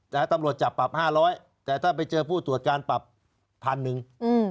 แต่ถ้าตำรวจจับปรับ๕๐๐เดี๋ยวไปเจอผู้ตรวจการปรับ๑๐๐๐หนึ่ง